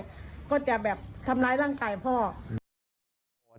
หาเรื่องถ้าขอเงินพ่อกับแม่ไม่ได้ก็จะแบบทำร้ายร่างกายพ่อ